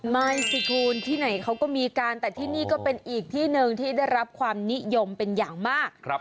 ไม่สิคุณที่ไหนเขาก็มีการแต่ที่นี่ก็เป็นอีกที่หนึ่งที่ได้รับความนิยมเป็นอย่างมาก